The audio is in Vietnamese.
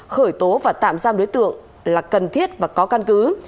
khởi tố và tạm giam đối tượng là cần thiết và có căn cứ